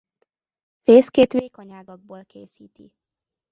Fészkét vékony ágakból készíti.